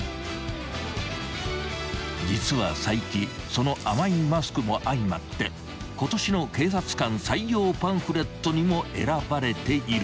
［実は齋木その甘いマスクも相まって今年の警察官採用パンフレットにも選ばれている］